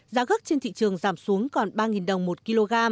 giá gất trên thị trường giảm xuống còn ba đồng một kg